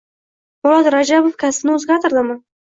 Murod Rajabov kasbini o‘zgartirdimi?